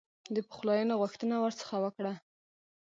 د پخلایني غوښتنه ورڅخه وکړه.